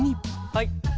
はい。